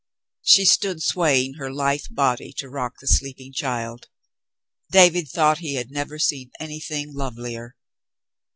She stood swaying her lithe body to rock the sleeping child. David thought he never had seen anything lovelier.